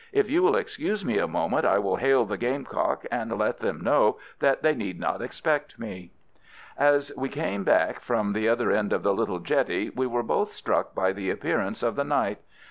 If you will excuse me a moment, I will hail the Gamecock and let them know that they need not expect me." As we came back from the other end of the little jetty we were both struck by the appearance of the night.